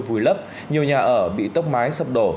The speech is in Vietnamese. vùi lấp nhiều nhà ở bị tốc mái sập đổ